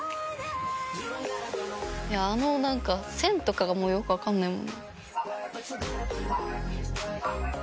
あのなんか線とかがもうよくわかんないもん。